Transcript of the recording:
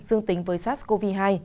dương tính với sars cov hai